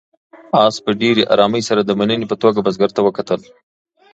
آس په ډېرې آرامۍ سره د مننې په توګه بزګر ته وکتل.